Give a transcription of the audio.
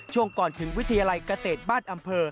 ช่วงก่อนถึงวิทยาลัยเกษตรบ้านอำเภอ